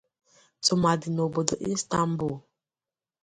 tụmadị n’obodo Istanbul